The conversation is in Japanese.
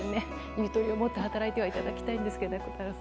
ゆとりを持って働いていただきたいんですが。